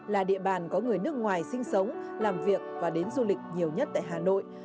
là địa bàn có người nước ngoài sinh sống làm việc và đến du lịch nhiều nhất tại hà nội